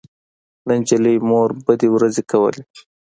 د نجلۍ مور بدې ورځې کولې